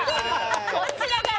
こっちだから